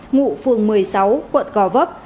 ngụ phường một mươi sáu quận gò vấp